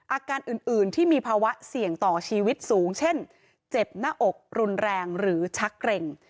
อาการอื่นที่มีภาวะเสี่ยงต่อชีวิตสูงเช่นเจ็บหน้าอกรุนแรงหรือชักเกร็ง